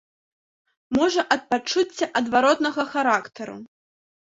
Можа ад пачуцця адваротнага характару.